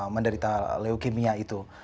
menderita leukemia itu